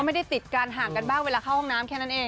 ไม่ได้ติดกันห่างกันบ้างเวลาเข้าห้องน้ำแค่นั้นเอง